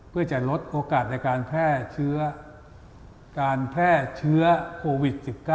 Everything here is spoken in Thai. เพื่อจะลดโอกาสในการแพร่เชื้อการแพร่เชื้อโควิด๑๙